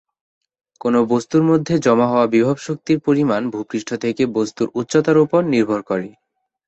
কোন বস্তুর মধ্যে জমা হওয়া বিভব শক্তির পরিমাণ ভূপৃষ্ঠ থেকে বস্তুর উচ্চতার উপর নির্ভর করে।